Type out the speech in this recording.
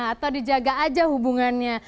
atau dijaga aja hubungannya